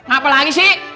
apa lagi sih